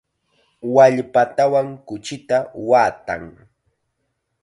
Wallpatawan kuchita waatan.